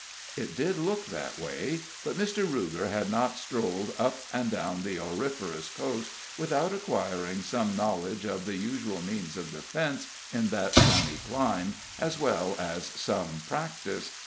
It did look that way; but Mr. Ruger had not strolled up and down that auriferous coast without acquiring some knowledge of the usual means of defense in that sunny clime, as well as some practice.